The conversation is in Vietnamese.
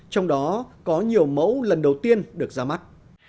trong đó có nhiều mẫu lần đầu tiên được ra mắt